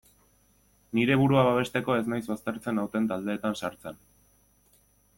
Nire burua babesteko ez naiz baztertzen nauten taldeetan sartzen.